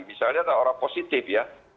misalnya ada orang positif ya